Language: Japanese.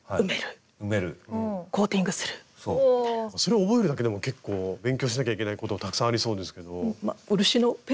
それを覚えるだけでも結構勉強しなきゃいけないことがたくさんありそうですけど。